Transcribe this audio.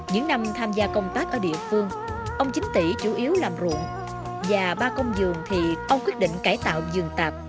những năm tham gia công tác ở địa phương ông chính tỷ chủ yếu làm ruộng và ba công giường thì ông quyết định cải tạo giường tạp